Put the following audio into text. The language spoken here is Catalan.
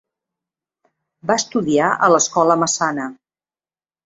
Va estudiar a l'Escola Massana.